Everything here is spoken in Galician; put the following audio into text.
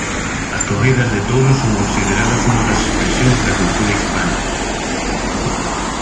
As corridas de touros son consideradas unha das expresións da cultura hispánica.